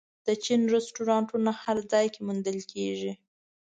د چین رستورانتونه هر ځای کې موندل کېږي.